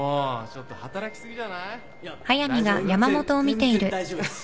全然大丈夫です。